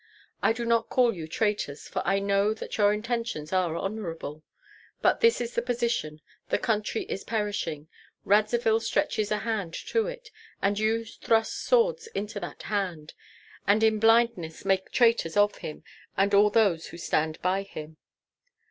I do not call you traitors, for I know that your intentions are honorable; but this is the position, the country is perishing, Radzivill stretches a hand to it, and you thrust swords into that hand, and in blindness make traitors of him and all those who stand by him."